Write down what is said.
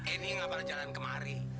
eh ini ngapain jalan kemari